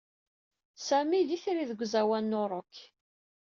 Sami d itri deg uẓawan n urock.